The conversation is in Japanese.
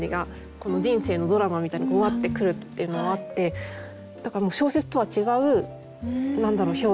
この人生のドラマみたいのがうわって来るっていうのもあってだから小説とは違う表現。